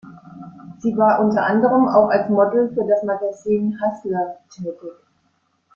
Sie war unter anderem auch als Model für das Magazin Hustler tätig.